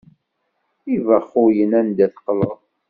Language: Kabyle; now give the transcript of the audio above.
D ibexxuyen anda teqqleḍ.